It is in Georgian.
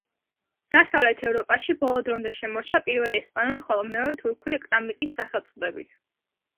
დასავლეთ ევროპაში ბოლო დრომდე შემორჩა, პირველი ესპანური, ხოლო მეორე თურქული კრამიტის სახელწოდებით.